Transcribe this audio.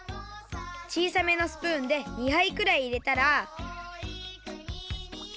ちいさめのスプーンで２はいくらいいれたら。